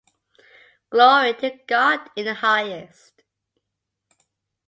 Glory to God in the Highest!